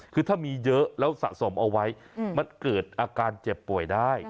คือถ้ามีเยอะแล้วสะสมเอาไว้มันเกิดอาการเจ็บป่วยได้